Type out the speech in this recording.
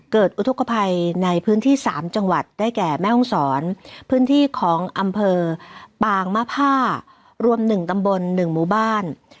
อุทธกภัยในพื้นที่๓จังหวัดได้แก่แม่ห้องศรพื้นที่ของอำเภอปางมะผ้ารวม๑ตำบล๑หมู่บ้าน